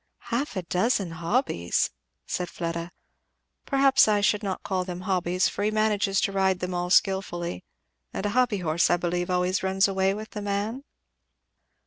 "Half a dozen hobbies!" said Fleda. "Perhaps I should not call them hobbies, for he manages to ride them all skilfully; and a hobby horse, I believe, always runs away with the man?"